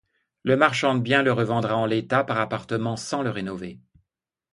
Le marchand de bien le revendra en l'état par appartements sans le rénover.